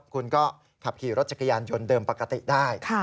คุณก็ขับขี่รถจักรยานยนต์เดิมปกติได้